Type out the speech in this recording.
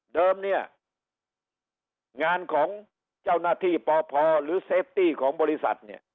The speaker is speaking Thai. เดิมเนี่ยงานของเจ้าหน้าที่ปพหรือเซฟตี้ของบริษัทเนี่ย